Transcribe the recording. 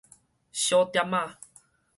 小點仔